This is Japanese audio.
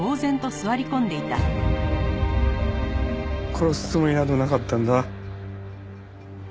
殺すつもりなどなかったんだ。